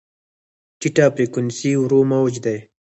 ټیټه فریکونسي ورو موج دی.